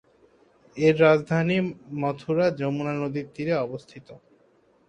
এর রাজধানী মথুরা যমুনা নদীর তীরে অবস্থিত।